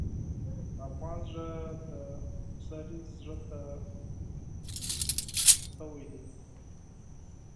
د افغان زړه د زمري زړه ته ورته دی.